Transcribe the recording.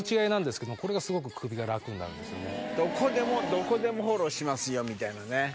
どこでもフォローしますよみたいなね。